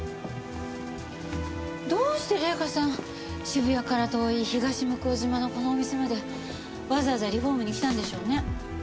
どうして玲香さん渋谷から遠い東向島のこのお店までわざわざリフォームに来たんでしょうね？